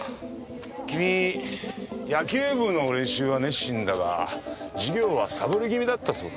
君野球部の練習は熱心だが授業はさぼり気味だったそうだな。